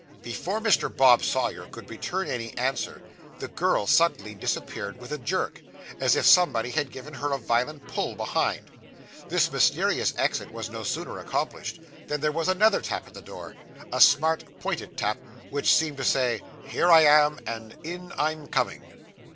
Before Mr. Bob Sawyer could return any answer, the girl suddenly disappeared with a jerk, as if somebody had given her a violent pull behind; this mysterious exit was no sooner accomplished, than there was another tap at the door a smart, pointed tap, which seemed to say, 'Here I am, and in I'm coming.